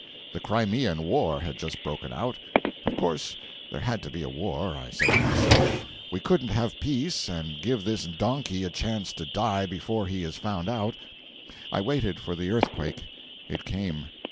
The Crimean war had just broken out. Of course there had to be a war, I said to myself: we couldn't have peace and give this donkey a chance to die before he is found out. I waited for the earthquake. It came.